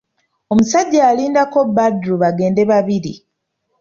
Omusajja yalindako Badru bagende babiri.